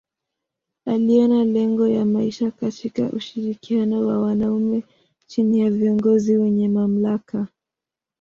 Aliona lengo ya maisha katika ushirikiano wa wanaume chini ya viongozi wenye mamlaka.